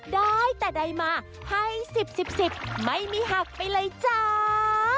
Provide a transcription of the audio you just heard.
ได้แต่ใดมาให้สิบสิบสิบไม่มีหักไปเลยจ้า